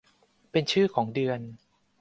เป็นชื่อของเดือน